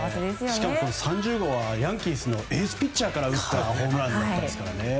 しかも３０号はヤンキースのエースピッチャーから打ったホームランですからね。